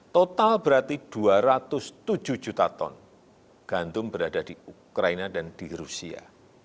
total berarti dua ratus tujuh juta ton gandum berada di ukraina dan di rusia